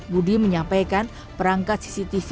budi menyampaikan perangkat cctv